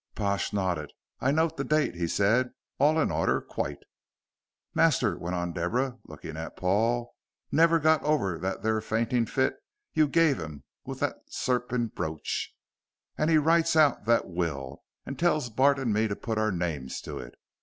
Pash nodded. "I note the date," said he, "all in order quite." "Master," went on Deborah, looking at Paul, "never got over that there fainting fit you gave him with the serping brooch. And he writes out that will, and tells Bart and me to put our names to it.